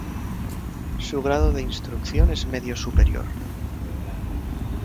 Su grado de instrucción es medio superior.